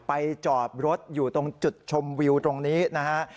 จอดรถอยู่ตรงจุดชมวิวตรงนี้นะฮะ